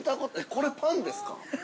これパンですか。